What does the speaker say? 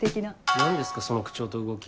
何ですかその口調と動き。